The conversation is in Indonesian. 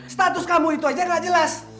status kamu itu aja yang tak jelas